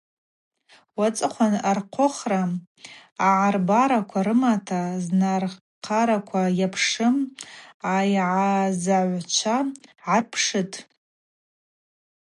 Уацӏыхъван архъвыхра агӏарбараква рымата знархараквала йапшым айъазагӏвчва гӏарпшытӏ.